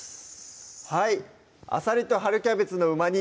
「あさりと春キャベツのうま煮」